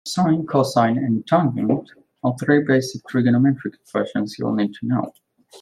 Sine, cosine and tangent are three basic trigonometric equations you'll need to know.